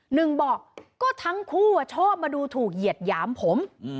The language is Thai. หนึ่งบอกก็ทั้งคู่ชอบมาดูถูกเหยียดหยามผม